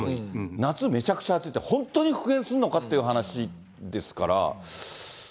夏めちゃくちゃ暑いって、本当に復元するのかっていう話ですから。